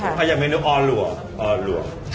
อันยังไม่รู้อ๋อหลวก